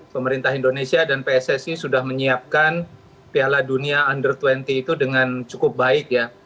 pemerintah indonesia dan pssi sudah menyiapkan piala dunia under dua puluh itu dengan cukup baik ya